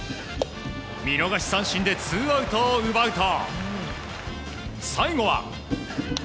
見逃し三振でツーアウトを奪うと最後は。